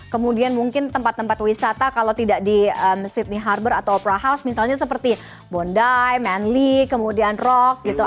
kemudian mungkin tempat tempat wisata kalau tidak di sydney harbor atau opera house misalnya seperti bonday manly kemudian rock gitu